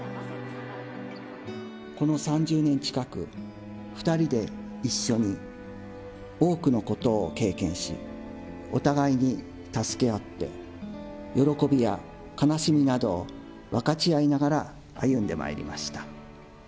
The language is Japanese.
この３０年近く、２人で一緒に多くのことを経験し、お互いに助け合って、喜びや悲しみなどを分かち合いながら歩んでまいりました。